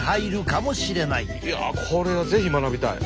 いやこれは是非学びたい。